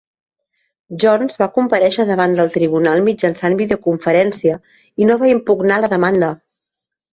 Jones va comparèixer davant del tribunal mitjançant videoconferència i no va impugnar la demanda.